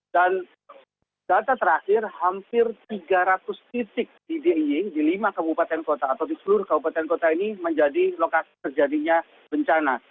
dan data terakhir hampir tiga ratus titik di lima kabupaten kota atau di seluruh kabupaten kota ini menjadi lokasi terjadinya bencana